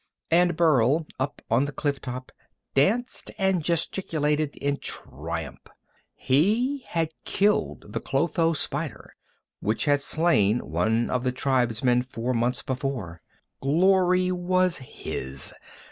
And Burl, up on the cliff top, danced and gesticulated in triumph. He had killed the clotho spider, which had slain one of the tribesmen four months before. Glory was his.